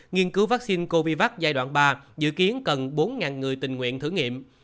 nghiên cứu vaccine covid giai đoạn ba dự kiến cần bốn người tình nguyện thử nghiệm